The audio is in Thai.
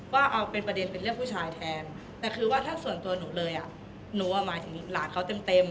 ว่าเอาเป็นประเด็นเป็นเรื่องผู้ชายแทนแต่คือว่าถ้าส่วนตัวหนูเลยอ่ะหนูหมายถึงหลานเขาเต็ม